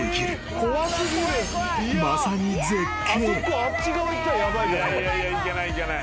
［まさに絶景］